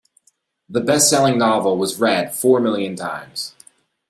The bestselling novel was read four million times.